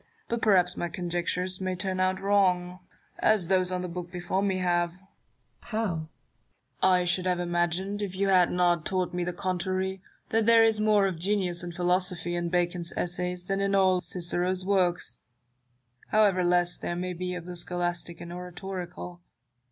But perhaps my conjectures may turn out wrong, as these on the book before me have. Barrow. How % Newton. I should always have imagined, if you had not 200 nfA GINAR Y CONVERSA TIONS. taught me the contrary, that there is more of genius and philosophy in Bacon's Essays than in all Cicero's works, however less there be of the scholastic and oratorical.